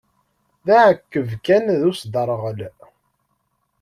D aεyyeb kan d usderɣel.